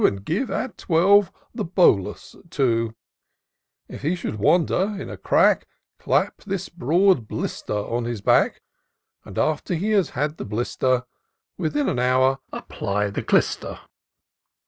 And give, at twelve, the bolus too : If he should wander, in a crack Clap this broad blister on his back ; And, after he has had the blister. Within an hour apply the clyster.